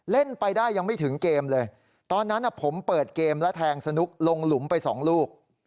เล่นไปได้ยังไม่ถึงเกมเลยตอนนั้นผมเปิดเกมและแทงสนุกลงหลุมไปสองลูก